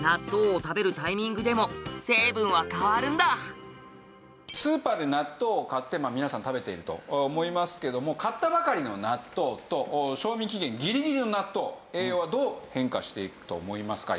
実はスーパーで納豆を買って皆さん食べていると思いますけども買ったばかりの納豆と賞味期限ギリギリの納豆栄養はどう変化していくと思いますか？